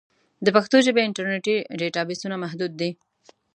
د پښتو ژبې انټرنیټي ډیټابېسونه محدود دي.